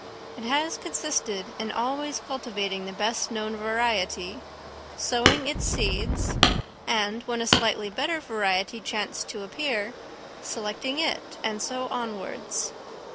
It has consisted in always cultivating the best known variety, sowing its seeds, and, when a slightly better variety chanced to appear, selecting it, and so onwards.